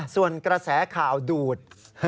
ส่วนกระแสข่าวดูด